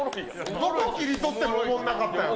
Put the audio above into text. どこ切り取っても、おもろなかったやん。